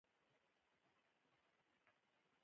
موسیقارانو له ناول څخه الهام اخیستی دی.